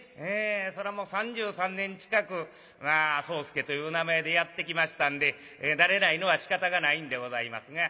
そらもう３３年近く宗助という名前でやってきましたんで慣れないのはしかたがないんでございますが。